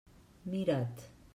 Mira't.